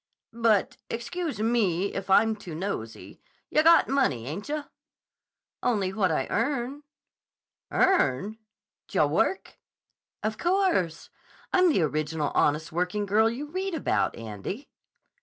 "But—excuse me if I'm too nosey—yah got money, ain't yah?" "Only what I earn." "Earn? D' yah work?" "Of course. I'm the original Honest Working Girl you read about, Andy."